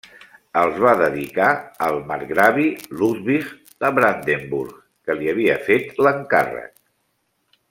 Els va dedicar al marcgravi Ludwig de Brandenburg que li havia fet l'encàrrec.